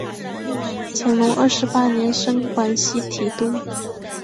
乾隆二十八年升广西提督。